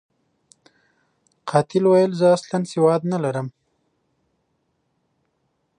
قاتل ویل، زه اصلاً سواد نلرم.